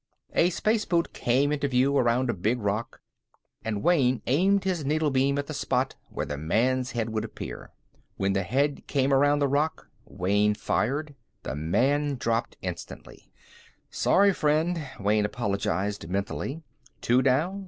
A space boot came into view around a big rock, and Wayne aimed his needle beam at the spot where the man's head would appear. When the head came around the rock, Wayne fired. The man dropped instantly. Sorry, friend, Wayne apologized mentally. _Two down.